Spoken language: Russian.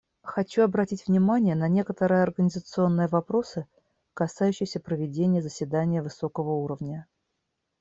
Хочу обратить внимание на некоторые организационные вопросы, касающиеся проведения заседания высокого уровня.